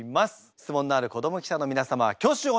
質問のある子ども記者の皆様は挙手をお願いします。